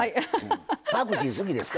パクチー好きですか？